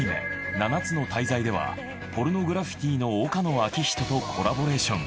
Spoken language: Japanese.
『七つの大罪』ではポルノグラフィティの岡野昭仁とコラボレーション。